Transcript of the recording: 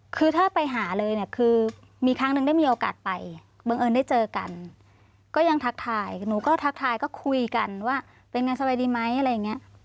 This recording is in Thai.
คือถ้าไปหาเลยเนี่ยคือมีครั้งหนึ่งได้มีโอกาสไปบังเอิญได้เจอกันก็ยังทักทายหนูก็ทักทายก็คุยกันว่าเป็นไงสบายดีไหมอะไรอย่างนี้